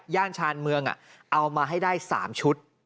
ย่านชาญเมืองอะเอามาให้ได้๓ชุด